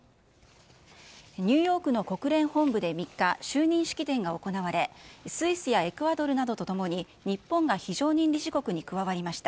ニューヨークの国連本部で３日就任式典が行われスイスやエクアドルなどと共に日本が非常任理事国に加わりました。